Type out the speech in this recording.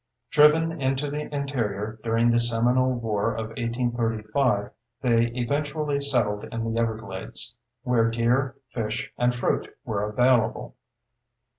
Driven into the interior during the Seminole War of 1835, they eventually settled in the everglades, where deer, fish, and fruit were available.